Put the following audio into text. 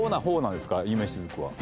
夢しずくは。